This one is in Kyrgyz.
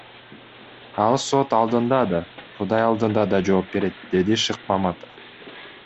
Ал сот алдында да, Кудай алдында да жооп берет, — деди Шыкмаматов.